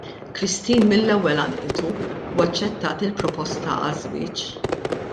Christine mill-ewwel għannqitu, u aċċettat il-proposta għaż-żwieġ.